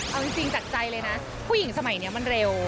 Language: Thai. เอาจริงจากใจเลยนะผู้หญิงสมัยนี้มันเร็ว